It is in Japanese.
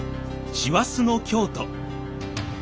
師走の京都。